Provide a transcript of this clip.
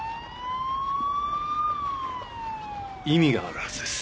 意味があるはずです。